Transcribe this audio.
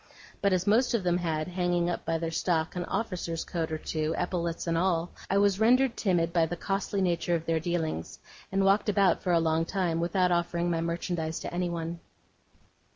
But as most of them had, hanging up among their stock, an officer's coat or two, epaulettes and all, I was rendered timid by the costly nature of their dealings, and walked about for a long time without offering my merchandise to anyone.